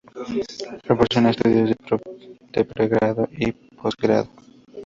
Proporciona estudios de pregrado y posgrado.